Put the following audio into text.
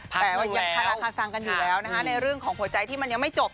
แต่ก็ยังคาราคาซังกันอยู่แล้วนะคะในเรื่องของหัวใจที่มันยังไม่จบ